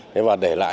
thế mà để lại